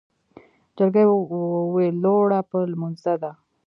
جلکۍ ویلوړه په لمونځه ده